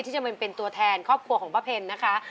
ที่จะมาเป็นตัวแทนครอบครัวของป้าเพลนะคะ